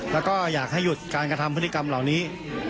แล้วก็อยากให้หยุดการกระทำพฤติกรรมเหล่านี้